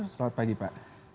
selamat pagi pak